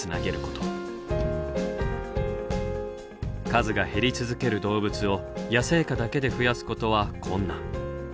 数が減り続ける動物を野生下だけで増やすことは困難。